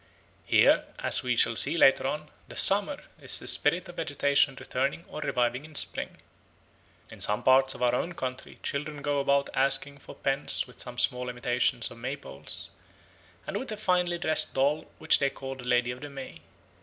Here, as we shall see later on, the "Summer" is the spirit of vegetation returning or reviving in spring. In some parts of our own country children go about asking for pence with some small imitations of May poles, and with a finely dressed doll which they call the Lady of the May.